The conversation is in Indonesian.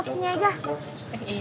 masa dulu rumah naik